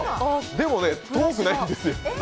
でも、遠くないんですよ。